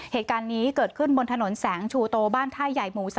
เหตุการณ์นี้เกิดขึ้นบนถนนแสงชูโตบ้านท่าใหญ่หมู่๓